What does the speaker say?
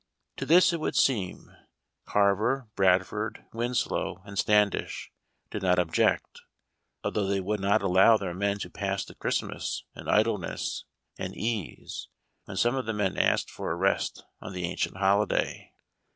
To this, it would seem, Carver, Bradford, Winslow, and Standish did not object, although they would not allow their men to pass the Christmas in idleness and ease, when some of the men asked for a rest on the ancient holiday.